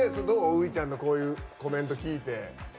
ウイちゃんのこういうコメント聞いて。